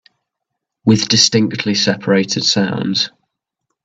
With distinctly separated sounds